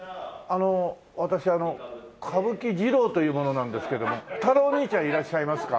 私あの歌舞伎ジロウという者なんですけども太郎お兄ちゃんいらっしゃいますか？